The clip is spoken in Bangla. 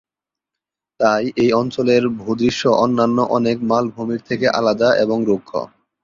তাই এই অঞ্চলের ভূদৃশ্য অন্যান্য অনেক মালভূমির থেকে আলাদা এবং রুক্ষ।